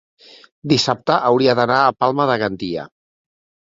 Dissabte hauria d'anar a Palma de Gandia.